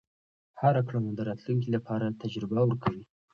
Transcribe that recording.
هره کړنه د راتلونکي لپاره تجربه ورکوي.